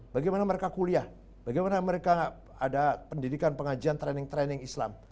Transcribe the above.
bagaimana mereka kuliah bagaimana mereka ada pendidikan pengajian training training islam